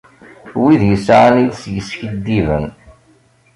Wid i yesɛan iles yeskiddiben.